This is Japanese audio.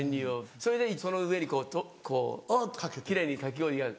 それでその上にこう奇麗にかき氷がある。